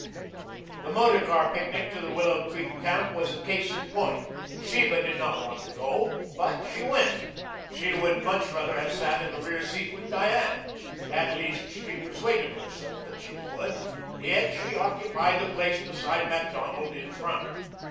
The motor car picnic to the Willow Creek Camp was a case in point. Sheba did not want to go, but she went. She would much rather have sat in the rear seat with Diane, at least, she persuaded herself that she would, yet she occupied the place beside Macdonald in front.